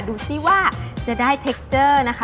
ดูสิว่าจะได้เทคเจอร์นะคะ